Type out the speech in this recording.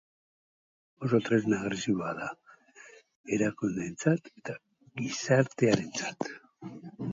Oso tresna agresiboa da erakundeentzat eta gizartearentzat.